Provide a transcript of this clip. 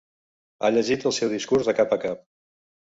Ha llegit el seu discurs de cap a cap.